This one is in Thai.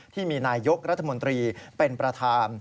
ที่มีนายยกรัฐมนตรีเป็นประธาน